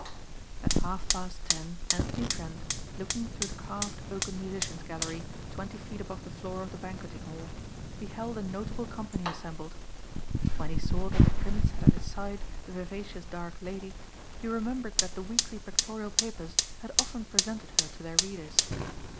At half past ten Anthony Trent, looking through the carved oaken musicians gallery twenty feet above the floor of the banqueting hall, beheld a notable company assembled. When he saw that the prince had at his side the vivacious dark lady, he remembered that the weekly pictorial papers had often presented her to their readers.